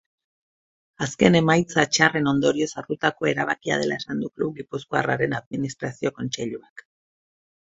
Azken emaitza txarren ondorioz hartutako erabakia dela esan du klub gipuzkoarraren administrazio kontseiluak.